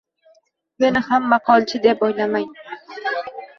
Meni ham maqolchi, deb o`ylamang